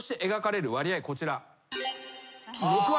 こちら。